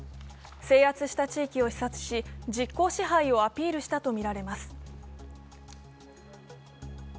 制圧した地域を視察し実効支配をアピールしたとみられます。